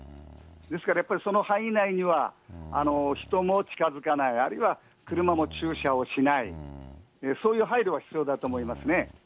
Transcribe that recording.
ですからやっぱり、その範囲内には人も近づかない、あるいは車も駐車をしない、そういう配慮は必要だと思いますね。